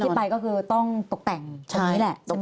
ที่ไปก็คือต้องตกแต่งตรงนี้แหละใช่ไหมครับ